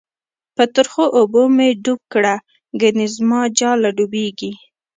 په ترخو اوبو می ډوب کړه، گڼی زماجاله ډوبیږی